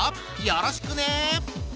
よろしくね！